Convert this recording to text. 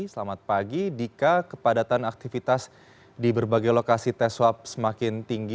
selamat pagi dika kepadatan aktivitas di berbagai lokasi tes swab semakin tinggi